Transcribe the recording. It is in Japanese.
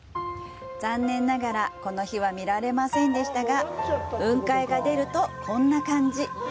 残念ながらこの日は見られませんでしたが雲海が出るとこんな感じ。